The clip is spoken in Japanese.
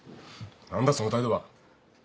何だその態度は。